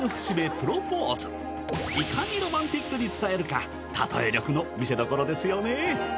プロポーズいかにロマンティックに伝えるかたとえ力の見せ所ですよね